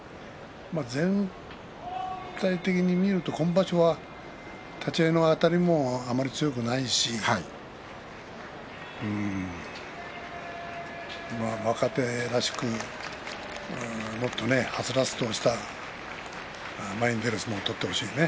全体的に見ると今場所は立ち合いのあたりもあまり強くないし若手らしく、もっとねはつらつとした前に出る相撲を取ってほしいね。